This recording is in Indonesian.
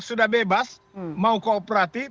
sudah bebas mau kooperatif